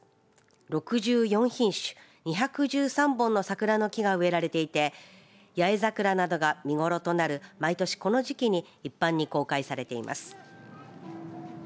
６４品種２１３本の桜の木が植えられていて八重桜などが見頃となる毎年この時期に一般に公開されています。